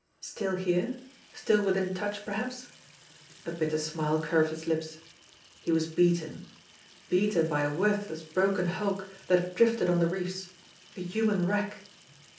Still here still within touch perhaps ? A bitter smile curved his lips. He was beaten beaten by a worthless, broken hulk that had drifted on the reefs a human wreck!